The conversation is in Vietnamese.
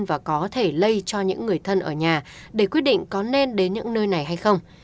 và có thể lây cho những người thân ở nhà để quyết định có nên đến những nơi này hay không